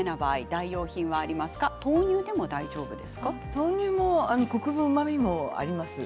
豆乳でもコクもうまみもあります。